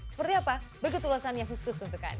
seperti apa berikut ulasannya khusus untuk anda